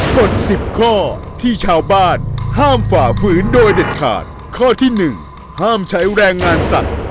กฎสิบข้อที่ชาวบ้านห้ามฝ่าฝืนโดยเด็ดขาดข้อที่หนึ่งห้ามใช้แรงงานสัตว์